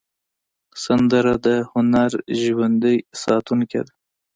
سندره د هنر ژوندي ساتونکی ده